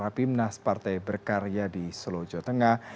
rapi minas partai berkarya di solojo tengah